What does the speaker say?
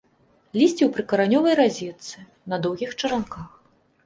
Лісце ў прыкаранёвай разетцы, на доўгіх чаранках.